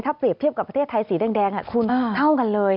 ถ้าเปรียบเทียบกับประเทศไทยสีแดงคุณเท่ากันเลย